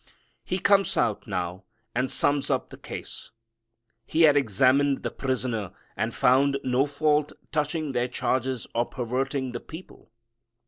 He comes out now and sums up the case. He had examined the prisoner and found no fault touching their charges of perverting the people.